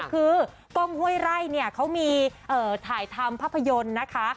คือกล้องห้วยไร่เนี่ยเขามีถ่ายทำภาพยนตร์นะคะ